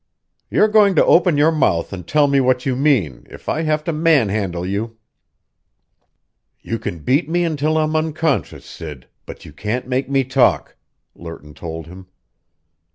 "You're going to open your mouth and tell me what you mean, if I have to manhandle you." "You can beat me until I'm unconscious, Sid, but you can't make me talk!" Lerton told him.